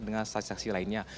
dengan saksi saksi lainnya